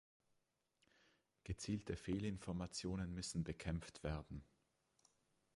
Gezielte Fehlinformationen müssen bekämpft werden.